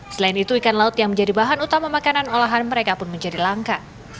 selain itu ikan laut yang menjadi bahan utama makanan olahan mereka pun menjadi langka